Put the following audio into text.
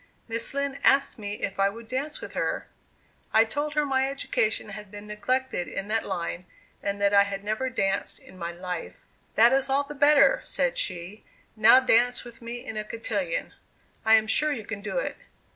Miss Lind asked me if I would dance with her. I told her my education had been neglected in that line, and that I had never danced in my life, "That is all the better," said she; "now dance with me in a cotillion. I am sure you can do it."